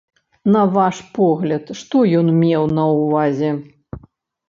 На ваш погляд, што ён меў на ўвазе?